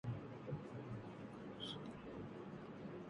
He published several books on laryngoscopy and diseases of the throat.